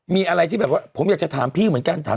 มีอะไรที่แบบว่าผมอยากจะถามพี่เหมือนกัน